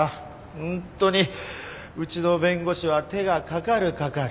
ホントにうちの弁護士は手がかかるかかる。